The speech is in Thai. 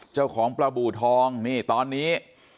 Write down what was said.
เจ้าของปลาบูทองนี่ตอนนี้